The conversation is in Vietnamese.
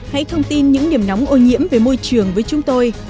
hãy thông tin những điểm nóng ô nhiễm về môi trường với chúng tôi